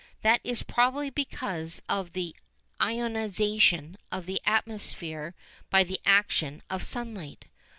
That is probably because of the "ionisation" of the atmosphere by the action of sunlight.